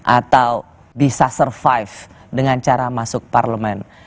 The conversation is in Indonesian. atau bisa survive dengan cara masuk parlemen